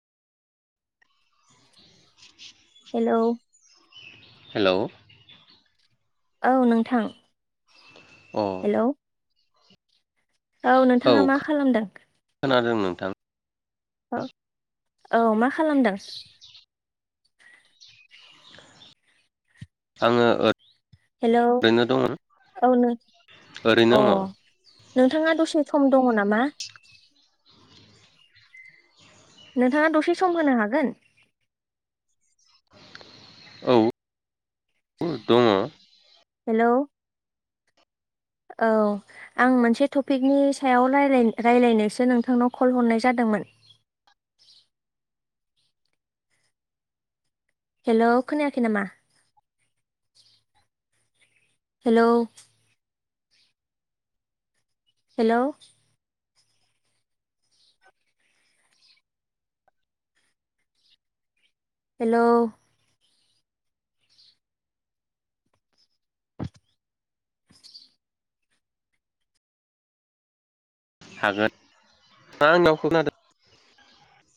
Hello hello औ नोंथां अ हेलौ औ नोंथाङा मा खालामदों? खोनादों नोंथां। ओ औ मा खालामदों? आङो ओ हेलौ औ नों ओरैनो अ दङ नोंथाङा दसे सम दङ नामा? नोंथाङा दसे सम होनो हागोन? औ दङ हेलौ औ आं मोनसे टपिकनि सायाव रायलाय रायलायनोसो नोंथांनाव कल हरनाय जादोंमोन [inaudible] हेलौ खोनायाखै नामा? हेलौ हेलौ हेलौ [inaudible] हागोन मा आंनाव खोनादों